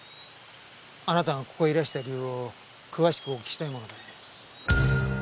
あなたがここへいらした理由を詳しくお聞きしたいもので。